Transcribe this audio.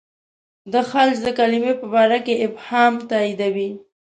د خلج د کلمې په باره کې ابهام تاییدوي.